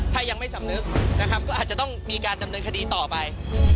ถ้ายังไม่สำนึกนะครับก็อาจจะต้องมีการดำเนินคดีต่อไป